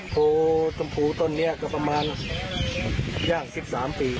โพชมพูต้นนี้ก็ประมาณย่าง๑๓ปี